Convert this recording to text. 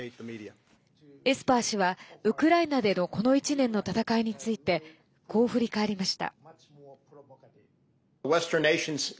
エスパー氏はウクライナでのこの１年の戦いについてこう振り返りました。